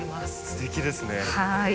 すてきですね。